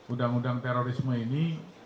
udang undang terorisme ini